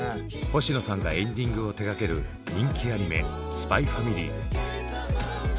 星野さんがエンディングを手がける人気アニメ「ＳＰＹ×ＦＡＭＩＬＹ」。